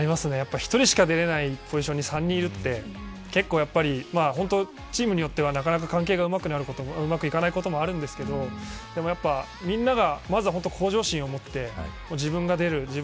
１人しか出られないポジションに３人いるってチームによってはなかなか関係がうまくいかないこともあるんですけどみんなが本当に向上心を持って自分が出る。